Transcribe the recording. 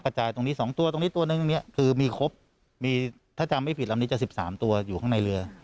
จายตรงนี้๒ตัวตรงนี้ตัวนึงตรงนี้คือมีครบมีถ้าจำไม่ผิดลำนี้จะ๑๓ตัวอยู่ข้างในเรือ